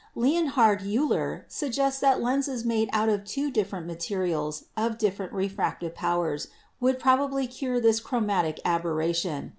Leonhard Euler suggested that lenses made out of two different materials of different refractive powers would probably cure this "chromatic aberration."